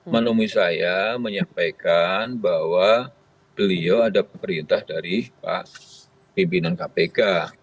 menemui saya menyampaikan bahwa beliau ada pemerintah dari pak pimpinan kpk